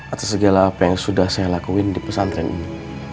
atas segala apa yang sudah saya lakuin di pesantren ini